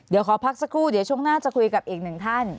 เดี๋ยวขอพักสักครู่เดี๋ยวช่วงหน้าจะคุยกับอีกหนึ่งท่าน